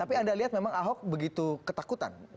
tapi anda lihat memang ahok begitu ketakutan